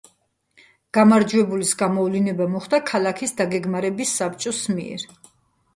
გამარჯვებულის გამოვლინება მოხდა ქალაქის დაგეგმარების საბჭოს მიერ.